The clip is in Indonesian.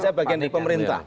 saya bagian di pemerintah